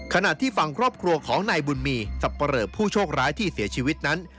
ขณะที่ฝั่งครอบครัวของนายบุญมีสับปะเหลอผู้โชคร้ายที่เสียชีวิตนั้น